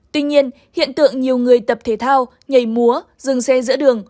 tuy nhiên hiện tượng nhiều người tập thể thao nhảy múa dừng xe giữa đường